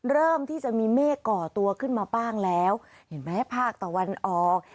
เริ่มที่จะมีเมฆก่อตัวขึ้นมาบ้างแล้วเห็นไหมภาคตะวันออก